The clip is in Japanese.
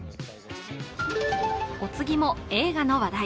お次も映画の話題。